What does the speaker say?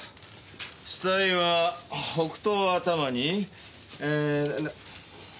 死体は北東を頭にえー。